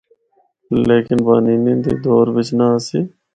لیکن پانینی دے دور بچ نہ آسی۔